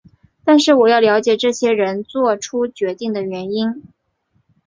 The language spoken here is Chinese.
但是我要了解这些人作出决定的原因。